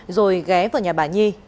rồi ghé vào nhà bà nhi